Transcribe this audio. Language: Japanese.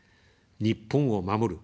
日本を守る。